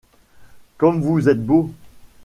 Comme vous êtes beau!